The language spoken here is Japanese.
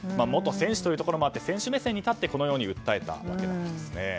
元選手というところもあって選手目線に立ってこのように訴えたんですね。